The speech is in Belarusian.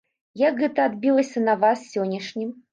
Як гэта адбілася на вас сённяшнім?